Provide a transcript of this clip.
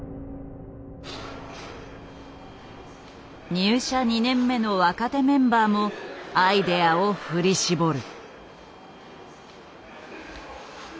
入社２年目の若手メンバーもアイデアを振り絞る。